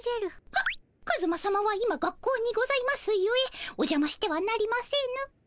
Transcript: はっカズマさまは今学校にございますゆえおじゃましてはなりませぬ。